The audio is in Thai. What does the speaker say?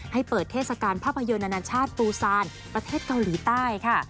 เปิดเทศกาลภาพยนตร์นานาชาติปูซานประเทศเกาหลีใต้ค่ะ